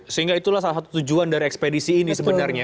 sehingga itulah salah satu tujuan dari ekspedisi ini sebenarnya